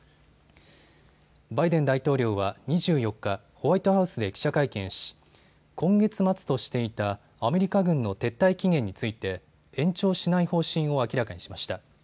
バイデン大統領は２４日ホワイトハウスで記者会見し今月末としていたアメリカ軍の撤退期限について延長しない方針を明らかにしました。